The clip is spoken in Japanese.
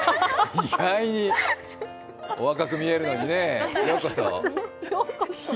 意外にお若く見えるのにねぇ、ようこそ。